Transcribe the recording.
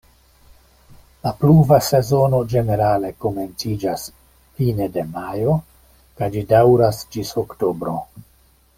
La pluva sezono ĝenerale komenciĝas fine de majo kaj ĝi daŭras ĝis oktobro.